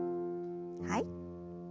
はい。